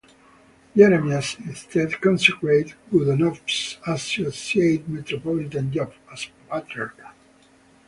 Jeremias instead consecrated Godunov's associate, Metropolitan Job, as Patriarch.